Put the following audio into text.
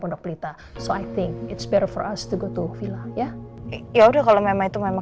pondok pelita so i think it's better for us to go to villa ya ya udah kalau memang itu memang